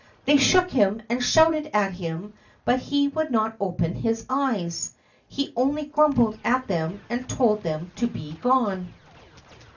They shook him and shouted at him, but he would not open his eyes; he only grumbled at them and told them to be gone.